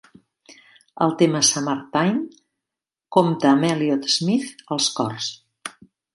El tema "Summertime" compta amb Elliott Smith als cors.